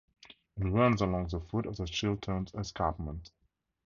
It runs along the foot of the Chilterns escarpment.